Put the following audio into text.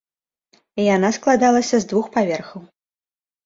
Яна складалася з двух паверхаў.